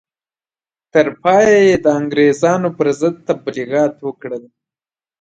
تر پایه یې د انګرېزانو پر ضد تبلیغات وکړل.